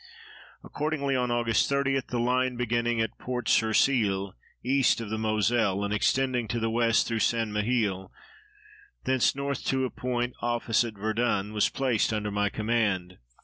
Accordingly, on Aug. 30, the line beginning at Port sur Seille, east of the Moselle and extending to the west through St. Mihiel, thence north to a point opposite Verdun, was placed under my command.